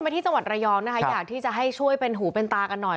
ที่จังหวัดระยองนะคะอยากที่จะให้ช่วยเป็นหูเป็นตากันหน่อย